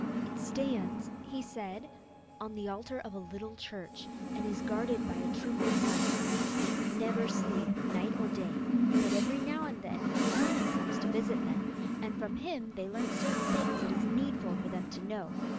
'It stands,' he said, 'on the altar of a little church, and is guarded by a troop of nuns. They never sleep, night or day, but every now and then a hermit comes to visit them, and from him they learn certain things it is needful for them to know.